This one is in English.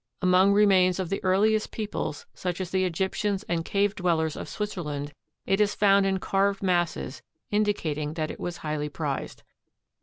Among remains of the earliest peoples such as the Egyptians and Cave dwellers of Switzerland it is found in carved masses indicating that it was highly prized.